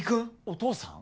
お父さん？